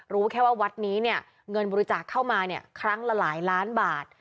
รู้แค่ว่าวัดนี้เงินบริจาคเข้ามาครั้งละหลายล้านบาท